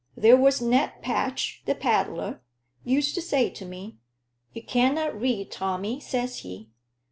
There was Ned Patch, the peddler, used to say to me, 'You canna read, Tommy,' says he.